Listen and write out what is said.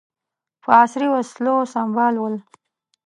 په عصري وسلو سمبال ول.